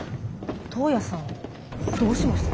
トウヤさんどうしました？